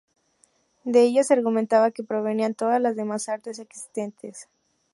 De ella, se argumentaba, provenían todas las demás artes existentes.